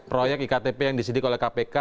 proyek iktp yang disidik oleh kpk